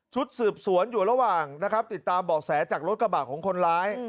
ชุดสืบสวนอยู่ระหว่างนะครับติดตามเบาะแสจากรถกระบะของคนร้าย